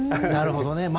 なるほどね。